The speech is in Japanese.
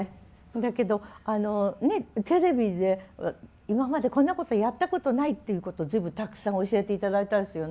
だけどあのねえテレビで今までこんなことやったことないっていうことを随分たくさん教えて頂いたんですよね。